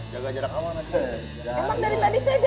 jaga jarak aman aja